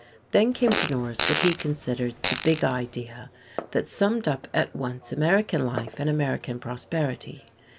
Then came to Norris what he considered "the big idea," that summed up at once American life and American prosperity.